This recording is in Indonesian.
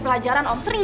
pergi pergi pergi